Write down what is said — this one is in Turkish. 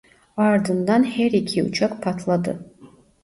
Ardından her iki uçak patladı.